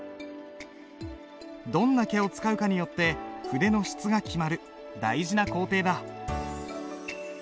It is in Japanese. どんな毛を使うかによって筆の質が決まる大事な工程だ。